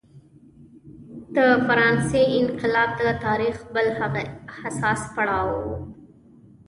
د فرانسې انقلاب د تاریخ بل هغه حساس پړاو و.